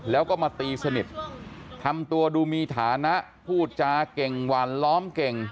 แล้วก็มาตีสนิททำตัวดูมีฐานะพูดจาเก่งหวานล้อมเก่ง